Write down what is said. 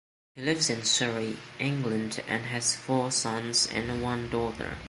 He lives in Surrey, England, and has four sons and one daughter.